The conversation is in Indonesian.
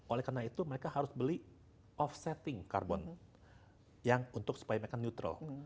oleh karena itu mereka harus beli offsetting carbon yang untuk supaya mereka neutral